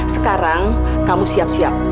sekarang kamu siap siap